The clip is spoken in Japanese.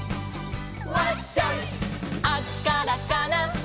「あっちからかな」